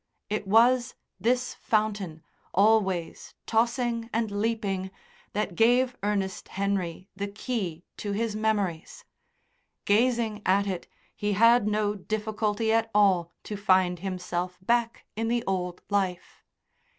It was this fountain, always tossing and leaping, that gave Ernest Henry the key to his memories. Gazing at it he had no difficulty at all to find himself back in the old life.